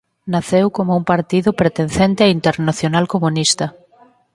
Naceu como un partido pertencente á Internacional Comunista.